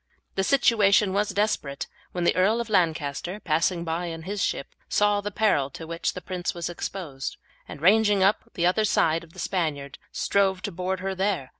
The situation was desperate when the Earl of Lancaster, passing by in his ship, saw the peril to which the prince was exposed, and, ranging up on the other side of the Spaniard, strove to board her there.